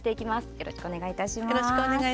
よろしくお願いします。